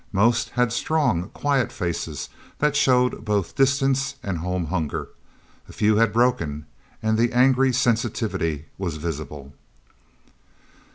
Most had strong, quiet faces that showed both distance and home hunger. A few had broken, and the angry sensitivity was visible.